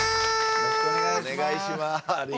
よろしくお願いします！